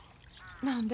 何で？